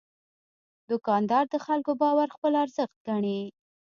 دوکاندار د خلکو باور خپل ارزښت ګڼي.